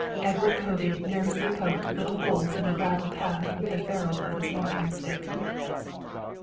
Edward Povey nervously poked little holes in the gravel path with the ferrule of his walking stick.